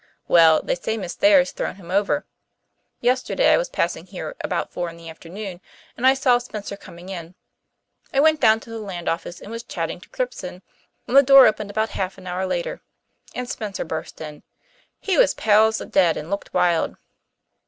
"Well, they say Miss Thayer's thrown him over. Yesterday I was passing here about four in the afternoon and I saw Spencer coming in. I went down to the Land Office and was chatting to Cribson when the door opened about half an hour later and Spencer burst in. He was pale as the dead, and looked wild.